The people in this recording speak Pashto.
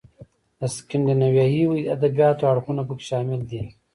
د سکینډینیویايي ادبیاتو اړخونه پکې شامل دي.